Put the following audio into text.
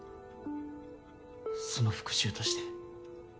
その復讐として。